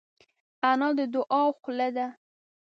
انا د دعاوو خوله ده